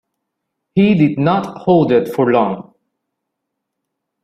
He did not hold it for long.